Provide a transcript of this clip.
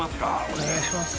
お願いします。